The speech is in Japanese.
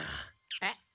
えっ？